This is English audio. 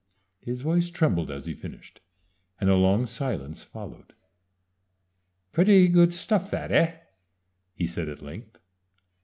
'" His voice trembled as he finished, and a long silence followed. "Pretty good stuff, that, eh?" he said, at length.